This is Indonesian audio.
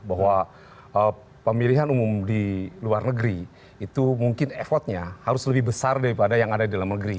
bahwa pemilihan umum di luar negeri itu mungkin effortnya harus lebih besar daripada yang ada di dalam negeri